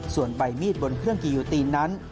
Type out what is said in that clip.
ส่วนใบมีดบนเครื่องกิโยตีนนั้น